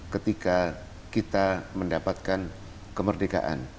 ketika kita mendapatkan kemerdekaan